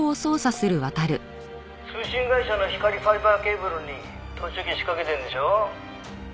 「通信会社の光ファイバーケーブルに盗聴器仕掛けてるんでしょ？」